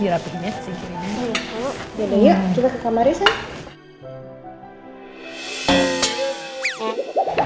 yaudah yuk kita ke kamarnya sayang